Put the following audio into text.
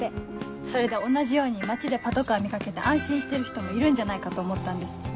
それで同じように町でパトカー見掛けて安心してる人もいるんじゃないかと思ったんです。